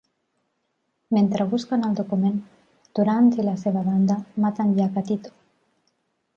Mentre busquen el document, Durant i la seva banda maten Yakatito.